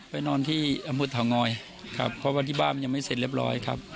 นอนที่อำเภอเถางอยครับเพราะว่าที่บ้านมันยังไม่เสร็จเรียบร้อยครับ